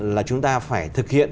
là chúng ta phải thực hiện